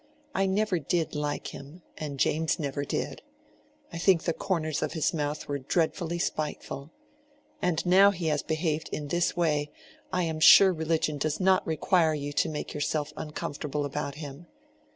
I never did like him, and James never did. I think the corners of his mouth were dreadfully spiteful. And now he has behaved in this way, I am sure religion does not require you to make yourself uncomfortable about him.